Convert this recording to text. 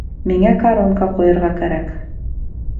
Миңә коронка ҡуйырға кәрәк